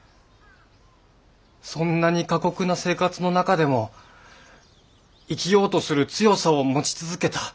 そんなに過酷な生活の中でも生きようとする強さを持ち続けた。